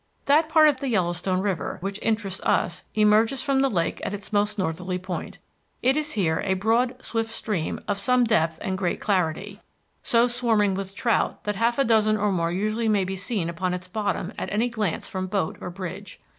That part of the Yellowstone River which interests us emerges from the lake at its most northerly point. It is here a broad swift stream of some depth and great clarity, so swarming with trout that a half dozen or more usually may be seen upon its bottom at any glance from boat or bridge.